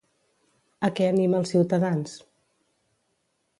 A què anima els ciutadans?